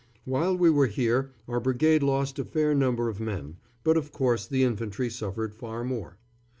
While we were here our brigade lost a fair number of men; but of course the infantry suffered far more.